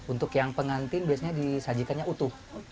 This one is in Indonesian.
untuk yang pengantin biasanya disajikannya utuh